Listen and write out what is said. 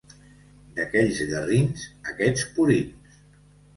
D'aquells garrins, aquests purins.